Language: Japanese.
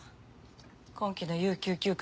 今期の有給休暇